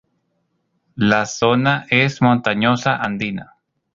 La zona es montañosa andina.